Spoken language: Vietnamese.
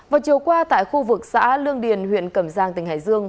vào chiều qua tại khu vực xã lương điền huyện cẩm giang tỉnh hải dương